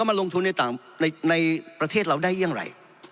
มาลงทุนในประเทศเราได้อย่างไร